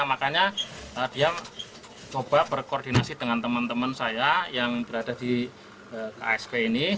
makanya dia coba berkoordinasi dengan teman teman saya yang berada di ksp ini